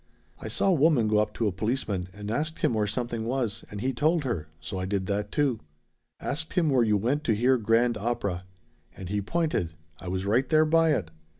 "I saw a woman go up to a policeman and ask him where something was and he told her, so I did that, too. Asked him where you went to hear grand opera. And he pointed. I was right there by it.